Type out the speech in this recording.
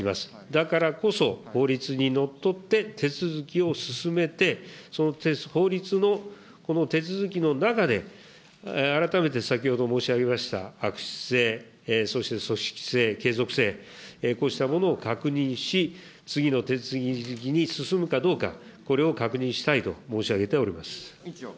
だからこそ、法律にのっとって手続きを進めて、その法律のこの手続きの中で、改めて先ほど申し上げました、悪質性、そして組織性、継続性、こうしたものを確認し、次の手続きに進むかどうか、これを確認したいと申し上げております。